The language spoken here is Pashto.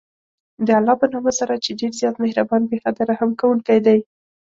د الله په نامه سره چې ډېر زیات مهربان، بې حده رحم كوونكى دی.